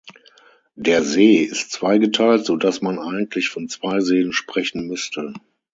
Der See ist zweigeteilt, so dass man eigentlich von zwei Seen sprechen müsste.